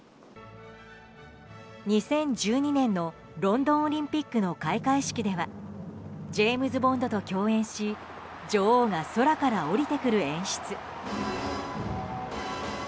２０１２年のロンドンオリンピックの開会式ではジェームズ・ボンドと共演し女王が空から降りてくる演出。